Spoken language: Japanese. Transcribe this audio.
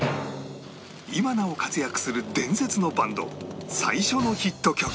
今なお活躍する伝説のバンド最初のヒット曲